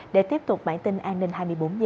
để tiếp tục bản tin an ninh hai mươi bốn h